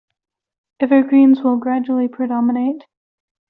Evergreens will gradually predominate.